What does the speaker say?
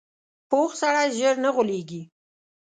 پوخ سړی ژر نه غولېږي